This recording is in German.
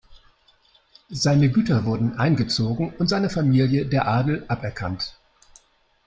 Seine Güter wurden eingezogen und seiner Familie der Adel aberkannt.